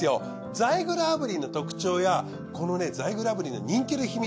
ザイグル炙輪の特徴やこのザイグル炙輪の人気の秘密。